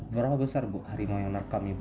berapa besar bu harimau yang merekam ibu